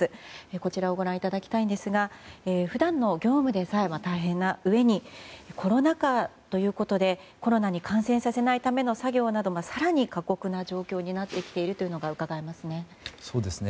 こちらをご覧いただきたいんですが普段の業務でさえ大変なうえにコロナ禍ということでコロナに感染させないための作業など、更に過酷な状況になってきていることがうかがえますね。